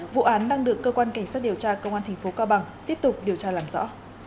vụ án đang được cơ quan cảnh sát điều tra công an tp cao bằng tiếp tục điều tra làm rõ